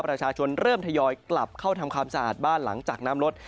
ประชาชนเริ่มทยอยกลับเข้าทำความสะอาดบ้านหลังจากน้ำลด